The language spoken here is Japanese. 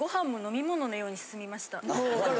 あ分かる。